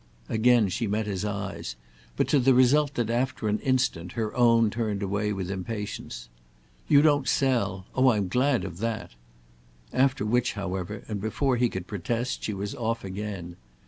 Again she met his eyes, but to the result that after an instant her own turned away with impatience. "You don't sell? Oh I'm glad of that!" After which however, and before he could protest, she was off again.